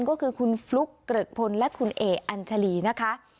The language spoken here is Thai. ก็คือคุณฟลุ๊กเกริกพลและคุณเอ๋อัญชาลีนะคะ